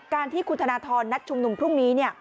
ที่คุณธนทรนัดชุมนุมพรุ่งนี้